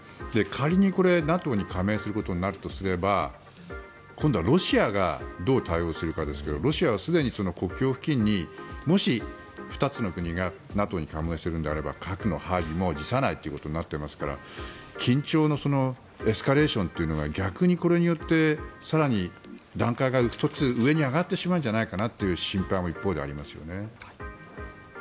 仮にこれ、ＮＡＴＯに加盟することになるとすれば今度はロシアがどう対応するかですけどロシアはすでに国境付近にもし２つの国がＮＡＴＯに加盟するのであれば核の配備も辞さないということになっていますから緊張のエスカレーションというのが逆にこれによって更に段階が１つ上に上がってしまうんじゃないかなという心配も一方でありますよね。